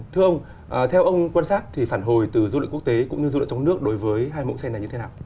thưa ông theo ông quan sát phản hồi từ dư luận quốc tế cũng như dư luận trong nước đối với hai mẫu xe này như thế nào